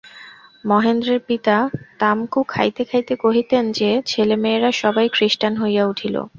মহেন্দ্রের পিতা তামকু খাইতে খাইতে কহিতেন যে, ছেলেমেয়েরা সবাই খৃস্টান হইয়া উঠিল।